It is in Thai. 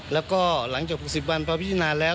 แล้วก็หลังจาก๖๐วันพอพิจารณาแล้ว